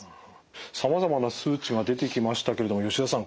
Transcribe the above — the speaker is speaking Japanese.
さまざまな数値が出てきましたけれども吉田さん